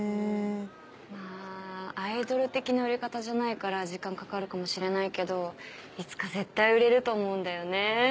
まぁアイドル的な売り方じゃないから時間かかるかもしれないけどいつか絶対売れると思うんだよね。